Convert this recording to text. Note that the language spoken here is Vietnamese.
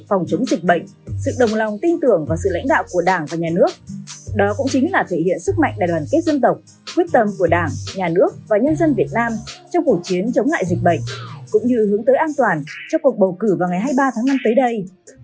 phòng chống dịch bệnh sự đồng lòng tin tưởng vào sự lãnh đạo của đảng và nhà nước đó cũng chính là thể hiện sức mạnh đại đoàn kết dân tộc quyết tâm của đảng nhà nước và nhân dân việt nam trong cuộc chiến chống lại dịch bệnh cũng như hướng tới an toàn cho cuộc bầu cử vào ngày hai mươi ba tháng năm tới đây